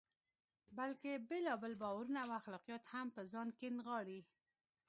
بلکې بېلابېل باورونه او اخلاقیات هم په ځان کې نغاړي.